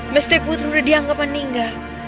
mesti putri dianggap meninggal